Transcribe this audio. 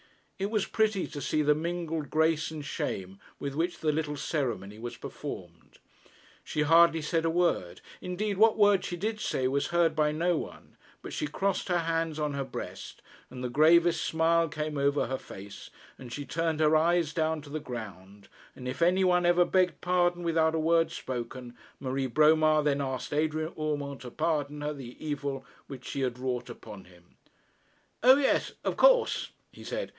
It was pretty to see the mingled grace and shame with which the little ceremony was performed. She hardly said a word; indeed what word she did say was heard by no one; but she crossed her hands on her breast, and the gravest smile came over her face, and she turned her eyes down to the ground, and if any one ever begged pardon without a word spoken, Marie Bromar then asked Adrian Urmand to pardon her the evil she had wrought upon him. 'O, yes; of course,' he said.